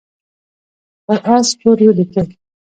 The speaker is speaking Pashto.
پر آس سپور ولیکئ.